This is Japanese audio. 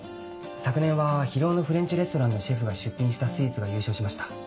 昨年は広尾のフレンチレストランのシェフが出品したスイーツが優勝しました。